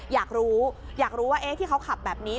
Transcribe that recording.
อยากรู้อยากรู้ว่าที่เขาขับแบบนี้